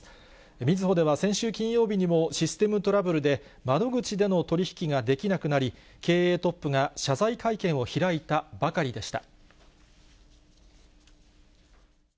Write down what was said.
みずほでは先週金曜日にもシステムトラブルで窓口での取り引きができなくなり、経営トップが謝罪会見を開いたばかりでした。